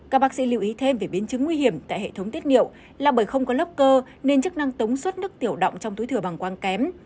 các bác sĩ lưu ý thêm về biến chứng nguy hiểm tại hệ thống tiết nghiệm là bởi không có lớp cơ nên chức năng tống suất nước tiểu động trong túi thừa bằng quang kém